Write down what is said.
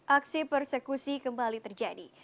aksi persekusi kembali terjadi